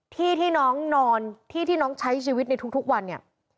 ที่ที่น้องนอนที่ที่น้องใช้ชีวิตในทุกวันเนี่ย